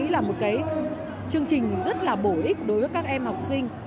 đó là một cái chương trình rất là bổ ích đối với các em học sinh